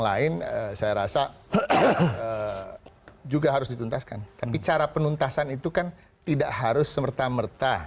lain saya rasa juga harus dituntaskan tapi cara penuntasan itu kan tidak harus semerta merta